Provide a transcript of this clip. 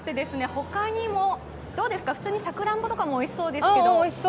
他にもどうですか、普通にさくらんぼとかもおいしそうですけれども。